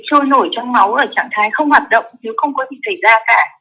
tiểu cầu thì trôi nổi trong máu ở trạng thái không hoạt động chứ không có bị xảy ra cả